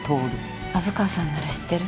虻川さんなら知ってる？